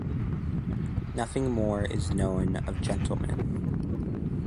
Nothing more is known of Gentleman.